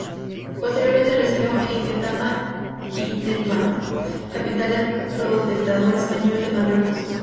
Posteriormente residió en Ketama y Tetuán —capital del protectorado español de Marruecos—.